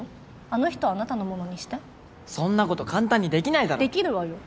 あの人をあなたのものにしてそんなこと簡単にできないだろできるわよ